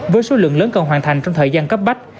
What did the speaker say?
với số lượng lớn cần hoàn thành trong thời gian cấp bách